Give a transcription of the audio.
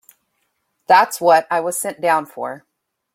That's what I was sent down for.